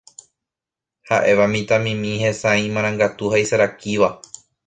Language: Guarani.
ha'éva mitãmimi hesãi, imarangatu ha isarakíva.